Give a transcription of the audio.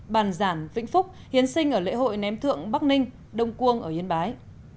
bàn giản vĩnh phúc hiến sinh ở lễ hội ném thượng bắc ninh đông quương ở yên bái